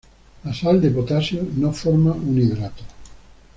La sal de potasio no forma un hidrato.